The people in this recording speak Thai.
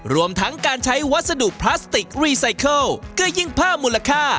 รวมทั้งการใช้วัสดุพลาสติกรีไซเคิลก็ยิ่งเพิ่มมูลค่า